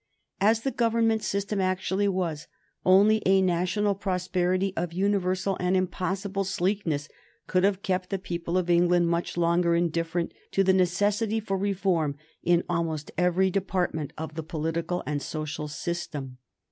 As the Government system actually was, only a national prosperity of universal and impossible sleekness could have kept the people of England much longer indifferent to the necessity for reform in almost every department of the political and social system.